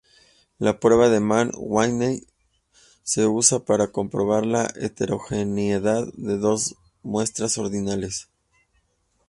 La prueba de Mann-Whitney se usa para comprobar la heterogeneidad de dos muestras ordinales.